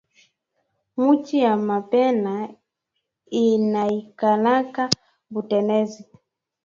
Muchi ya mapela inaikalaka buterezi